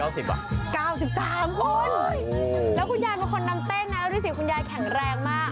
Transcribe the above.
๙๓คนแล้วคุณยายเป็นคนนำเต้นนะรู้สึกคุณยายแข็งแรงมาก